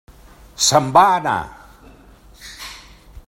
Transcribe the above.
Se'n va anar.